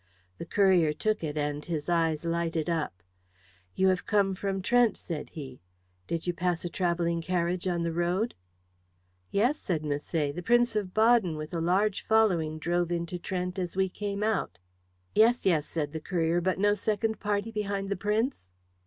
The courier took it, and his eyes lighted up. "You have come from Trent," said he. "Did you pass a travelling carriage on the road?" "Yes," said Misset; "the Prince of Baden with a large following drove into Trent as we came out." "Yes, yes," said the courier. "But no second party behind the Prince?"